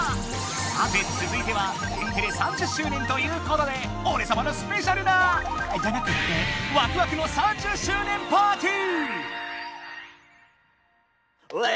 さてつづいては「天てれ３０周年」ということでおれさまのスペシャルなじゃなくてワクワクの３０周年パーティー！